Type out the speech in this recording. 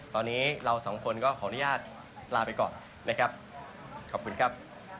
ตอนนี้เราสองคนก็ขออนุญาตลาไปก่อนนะครับขอบคุณครับ